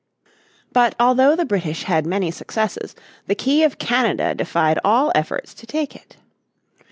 But although the British had many successes the key of Canada defied all efforts to take it.